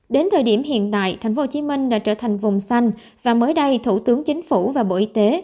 đến thời điểm hiện tại tp hcm đã trở thành vùng xanh và mới đây thủ tướng chính phủ và bộ y tế